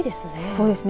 そうですね。